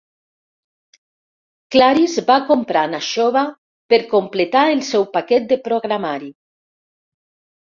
Claris va comprar Nashoba per completar el seu paquet de programari.